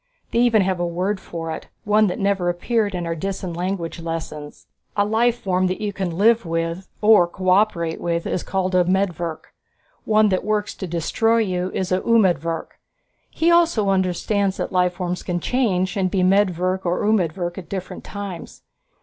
They even have a word for it, one that never appeared in our Disan language lessons. A life form that you can live with or cooperate with is called medvirk. One that works to destroy you is umedvirk. He also understands that life forms can change, and be medvirk or umedvirk at different times.